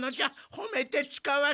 ほめてつかわす。